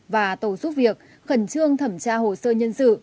và tổ giúp việc khẩn trương thẩm tra hồ sơ nhân sự